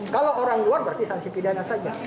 kalau orang luar berarti sanksi pidana saja